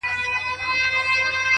ته یې په مسجد او درمسال کي کړې بدل,